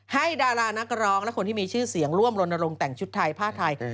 ดารานักร้องและคนที่มีชื่อเสียงร่วมรณรงค์แต่งชุดไทยผ้าไทย